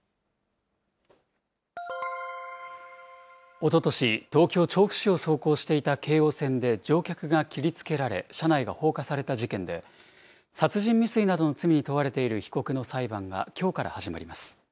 おととし、東京・調布市を走行していた京王線で乗客が切りつけられ、車内が放火された事件で、殺人未遂などの罪に問われている被告の裁判がきょうから始まります。